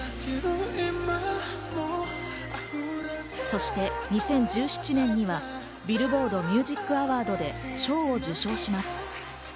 そして２０１７年には、ビルボード・ミュージック・アワードで賞を受賞します。